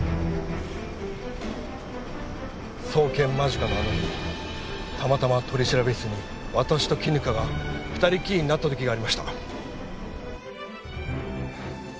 送検間近のあの日たまたま取調室に私と絹香が２人きりになった時がありました。